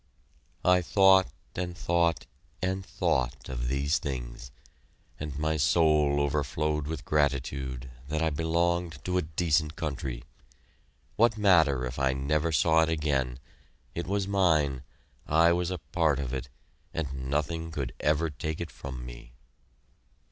I thought and thought and thought of these things, and my soul overflowed with gratitude that I belonged to a decent country. What matter if I never saw it again? It was mine, I was a part of it, and nothing could ever take it from me!